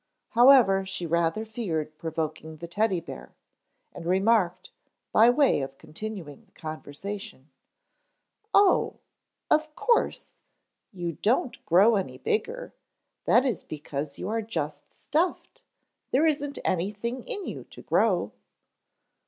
However, she rather feared provoking the Teddy bear, and remarked, by way of continuing the conversation: "Oh, of course, you don't grow any bigger. That is because you are just stuffed. There isn't anything in you to grow."